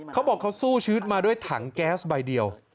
เขาบอกเขาสู้ชีวิตมาด้วยถังแก๊สใบเดียว